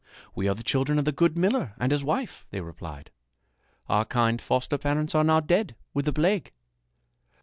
"We are the children of the good miller and his wife," they replied. "Our kind foster parents are now dead with the plague."